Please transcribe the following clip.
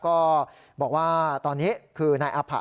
ก็บอกว่าตอนนี้คือนายอาผะ